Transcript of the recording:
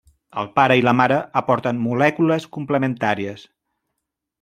El pare i la mare aporten molècules complementàries.